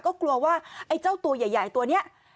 ก็กลัวว่าไอ้เจ้าตัวใหญ่ตัวนี้